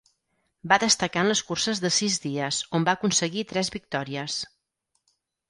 Va destacar en les curses de sis dies on va aconseguir tres victòries.